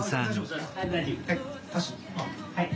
はい。